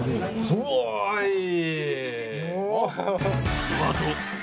うわっ。